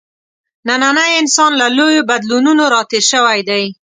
نننی انسان له لویو بدلونونو راتېر شوی دی.